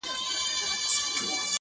ډېر نا اهله بد کرداره او بد خوی ؤ-